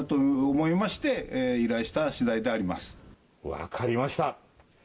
分かりました。